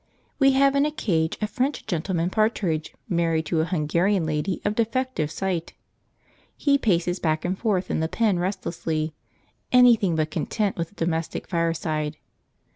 We have in a cage a French gentleman partridge married to a Hungarian lady of defective sight. He paces back and forth in the pen restlessly, anything but content with the domestic fireside.